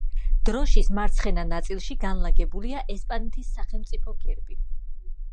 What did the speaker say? დროშის მარცხენა ნაწილში განლაგებულია ესპანეთის სახელმწიფო გერბი.